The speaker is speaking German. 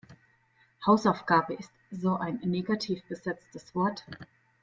Hausaufgabe ist so ein negativ besetztes Wort.